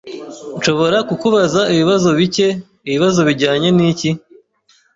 "Nshobora kukubaza ibibazo bike?" "Ibibazo bijyanye n'iki?"